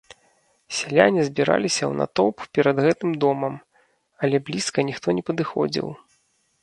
Сяляне збіраліся ў натоўп перад гэтым домам, але блізка ніхто не падыходзіў.